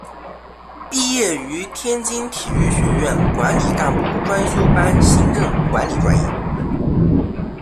毕业于天津体育学院管理干部专修班行政管理专业。